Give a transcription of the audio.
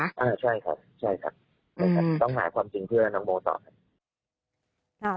ใช่ค่ะต้องหมายความจริงเพื่อนน้องโมต่อ